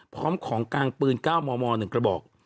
พร้อมของกลางปืน๙มม๑กระบอก